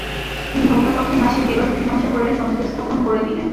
তিনি উভয় পক্ষের মাঝে বিরোধ মীমাংসা করে সন্ধি স্থাপন করে দিলেন।